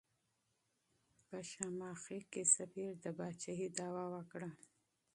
په شماخي کې سفیر د پاچاهۍ دعوه وکړه.